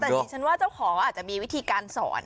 แต่ดิฉันว่าเจ้าของอาจจะมีวิธีการสอน